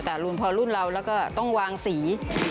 แต่รุ่นพอรุ่นเราแล้วก็ต้องวางสี